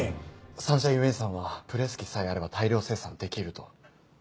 サンシャインウェイさんはプレス機さえあれば大量生産できると。